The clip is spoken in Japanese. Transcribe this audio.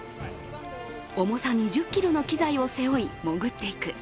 重さ２０ｋｇの機材を背負い潜っていく。